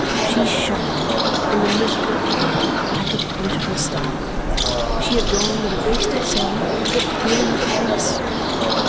She shone in the miserable corner like a beautiful star. She adorned and graced it so that it became another place.